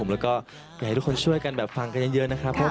แล้วก็อยากให้ทุกคนช่วยกันแบบฟังกันเยอะนะครับ